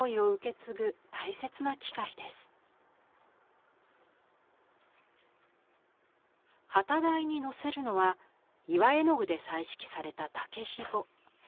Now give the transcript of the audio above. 機台にのせるのは岩絵の具で彩色された竹ひご。